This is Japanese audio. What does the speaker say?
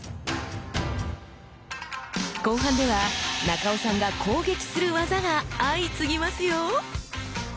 後半では中尾さんが攻撃する技が相次ぎますよ。